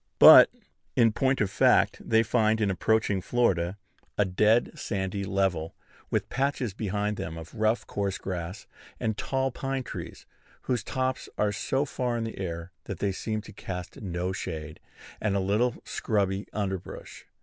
But, in point of fact, they find, in approaching Florida, a dead sandy level, with patches behind them of rough coarse grass, and tall pine trees, whose tops are so far in the air that they seem to cast no shade, and a little scrubby underbrush.